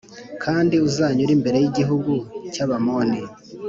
kandi uzanyura imbere y’igihugu cy’abamoni